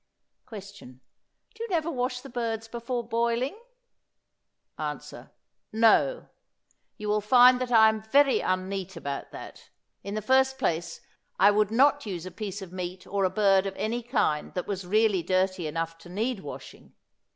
Question. Do you never wash the birds before boiling? Answer. No; you will find that I am very un neat about that. In the first place, I would not use a piece of meat or a bird of any kind that was really dirty enough to need washing.